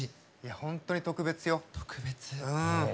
本当に特別よ！